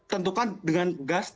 tentukan dengan gas